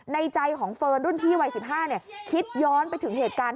ในใจของเฟิร์นรุ่นพี่วัย๑๕คิดย้อนไปถึงเหตุการณ์